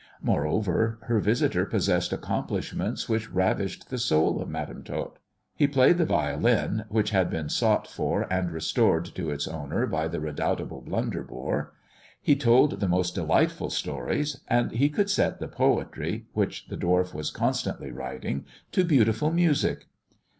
Moreover, her visitor possessed accomplishments which ravished the soul of Madam Tot. He played the violin, which had been sought for and restored to its owner by the redoubtable Blunder bore; he told the most delightful stories, and he could set the poetry — which the dwarf was constantly writing — to beautiful music.